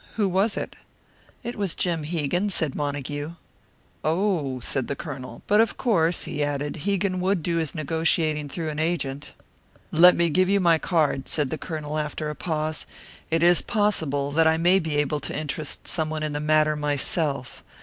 Who was it?" "It was Jim Hegan," said Montague. "Oh!" said the Colonel. "But of course," he added, "Hegan would do his negotiating through an agent." "Let me give you my card," said the Colonel, after a pause. "It is possible that I may be able to interest someone in the matter myself.